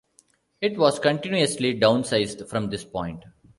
It was continuously downsized from this point.